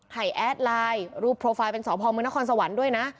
ให้แอดไลน์รูปโปรไฟล์เป็นสอบพอบ์เมืองนครสวรรค์ด้วยนะ